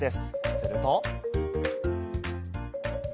すると。